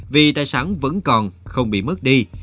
vì tài sản vẫn còn không bị mất đi